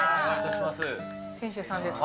店主さんですか。